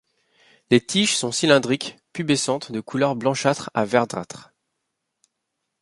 Les tiges sont cylindriques, pubescentes, de couleur blanchâtre à verdâtre.